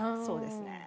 そうですね。